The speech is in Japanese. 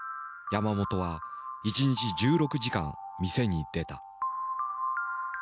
山本は１日１６時間店に出た。